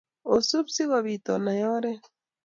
Osup si kobiit onai ooret.